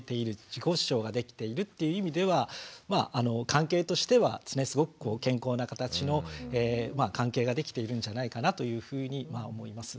自己主張ができているっていう意味では関係としてはすごく健康な形の関係ができているんじゃないかなというふうに思います。